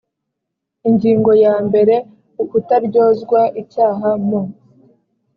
ingingo ya mbere ukutaryozwa icyaha mu